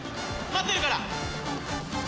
待ってるから！